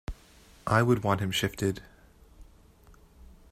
I would want him shifted.